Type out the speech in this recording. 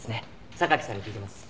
榊さんに聞いてます。